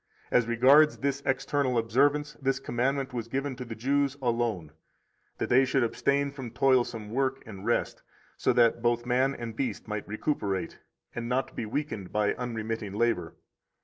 As regards this external observance, this commandment was given to the Jews alone, that they should abstain from toilsome work, and rest, so that both man and beast might recuperate, and not be weakened by unremitting labor.